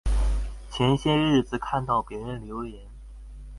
前些日子看到別人留言